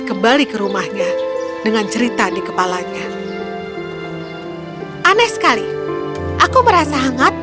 kembali ke rumahnya dengan cerita di kepalanya aneh sekali aku merasa hangat